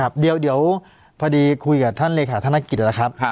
ครับเดี๋ยวเดี๋ยวพอดีคุยกับท่านเลขาธนกิจแล้วครับครับ